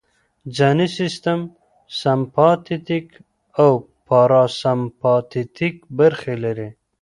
ځانی سیستم سمپاتیتیک او پاراسمپاتیتیک برخې لري